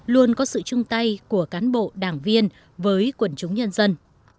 luôn có sự chung tay của cán bộ đảng viên với quần chúng nhân dân